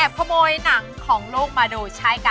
แอบโปรโมยหนังของโลกมาดูชายก๊ะ